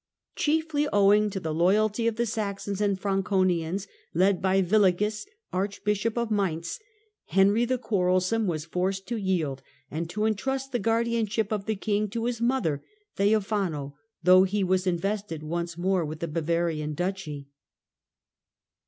Chiefly owing to the loyalty of the Saxons and Franconians, led by Willigis, Arch bishop of Mainz, Henry the Quarrelsome was forced to yield, and to entrust the guardianship of the king to his mother, Theophano, though he was invested once more with the Bavarian duchy.